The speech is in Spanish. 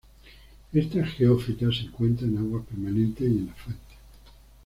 Esta geófita se encuentra en aguas permanentes y en las fuentes.